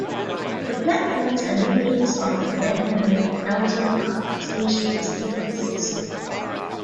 The platforms and buildings of the abandoned Eltham Park station still exist.